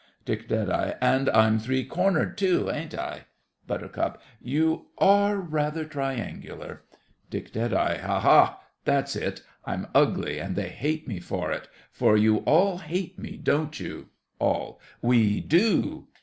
DICK. And I'm three cornered too, ain't I? BUT. You are rather triangular. DICK. Ha! ha! That's it. I'm ugly, and they hate me for it; for you all hate me, don't you? ALL. We do!